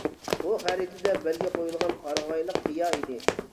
بۇ خەرىتىدە بەلگە قۇيۇلغان قارىغايلىق قىيا ئىدى.